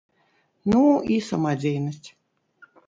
Ну, і сама дзейнасць.